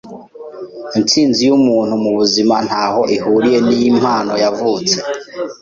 Intsinzi yumuntu mubuzima ntaho ihuriye nimpano yavutse.